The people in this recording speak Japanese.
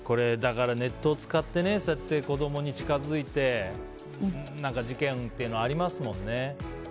ネットを使って子供に近づいて事件というのありますもんね。